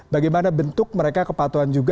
bagaimana bentuk mereka kepatuhan juga